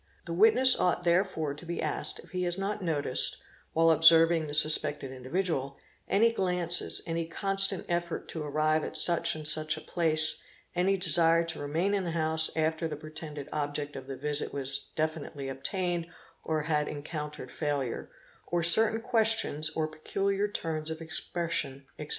The witness ought therefore to be ' asked if he has not noticed, while observing the suspected individual, i any glances, any constant effort to arrive at such and such a place, any eo desire to remain in the house after the pretended object of the visit was ~ definitely obtained or had encountered failure, or certain questions or peculiar turns of expression, etc.